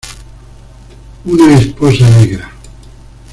Una esposa negra.